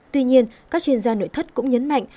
tuy nhiên các chuyên gia nội thất cũng nhấn mạnh